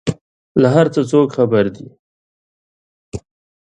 له هر څه څوک خبر دي؟